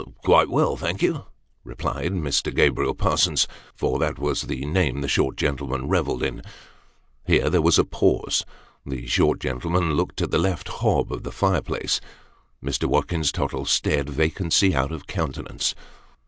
" Quite well, thank you," replied Mr. Gabriel Parsons, for that was the name the short gentleman revelled in. Here there was a pause ; the short gentleman looked at the left hob of the fireplace; Mr. Watkins Tottle stared vacancy out of countenance.